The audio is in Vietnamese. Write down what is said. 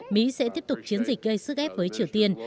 mỹ sẽ tiếp tục chiến dịch gây sức ép với triều tiên